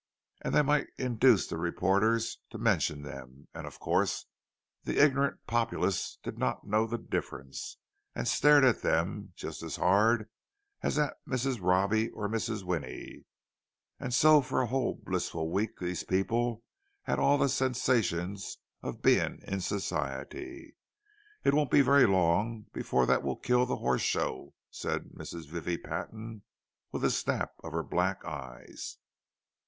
And they might induce the reporters to mention them—and of course the ignorant populace did not know the difference, and stared at them just as hard as at Mrs. Robbie or Mrs. Winnie. And so for a whole blissful week these people had all the sensations of being in Society! "It won't be very long before that will kill the Horse Show," said Mrs. Vivie Patton, with a snap of her black eyes.